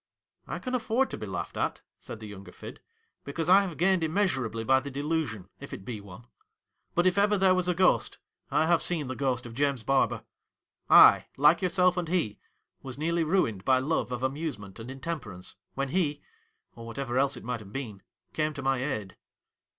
' I can afford to be laughed at,' said the younger Fid, 'because I have gamed im measurably by the delusion, if it be one ; but if ever there was a ghost, I have seen the ghost of James Barber. I, like yourself and he, was nearly ruined by love of amusement and intemperance, when he — or whatever else it might have been — came to my aid.'